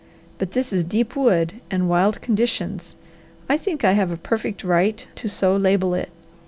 But this is deep wood and wild conditions. I think I have a perfect right to so label it.